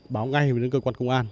báo ngay với cơ quan công an